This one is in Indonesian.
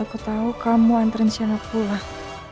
apalagi saat aku tahu kamu nganterin sienna pulang